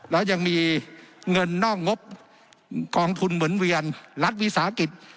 แล้วยังมีเงินนอกงบกองทุนหมุนเวียนรัฐวิสาหกิจ